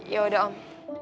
ya udah om